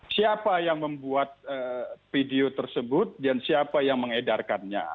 siapa yang membuat video tersebut dan siapa yang mengedarkannya